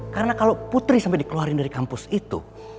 karena kalau putri sampai dikeluarin dari kampus itu